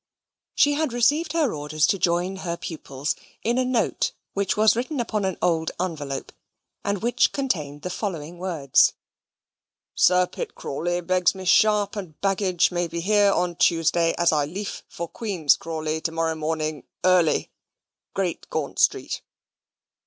She had received her orders to join her pupils, in a note which was written upon an old envelope, and which contained the following words: Sir Pitt Crawley begs Miss Sharp and baggidge may be hear on Tuesday, as I leaf for Queen's Crawley to morrow morning ERLY. Great Gaunt Street.